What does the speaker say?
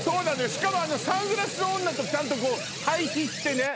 しかもサングラス女とちゃんと対比してね